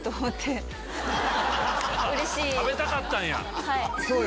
食べたかったんや！